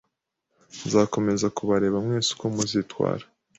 Nzakomeza kubareba mwese uko muzitwara .